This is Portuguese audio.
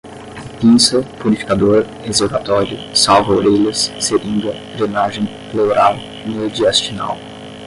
pinça, purificador, reservatório, salva-orelhas, seringa, drenagem, pleural, mediastinal